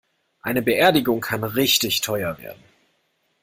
Eine Beerdigung kann richtig teuer werden.